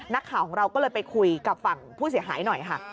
นักข่าวของเราก็เลยไปคุยกับฝั่งผู้เสียหายหน่อยค่ะ